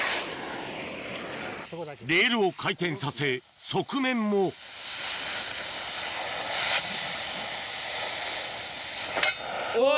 レールを回転させ側面もおぉ。